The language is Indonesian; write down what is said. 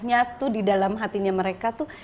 nyatu di dalam hatinya mereka tuh